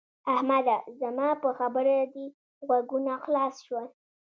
احمده! زما په خبره دې غوږونه خلاص شول؟